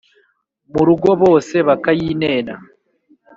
Mu rugo bose bakayinena,